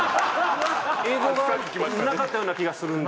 映像がなかったような気がするんですけども。